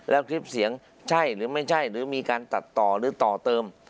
แล้วคลิปเสียงใช่หรือไม่ใช่หรือมีการตัดต่อหรือต่อเติม